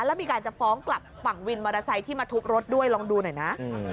แล้วมีการจะฟ้องกลับฝั่งวินมอเตอร์ไซค์ที่มาทุบรถด้วยลองดูหน่อยนะ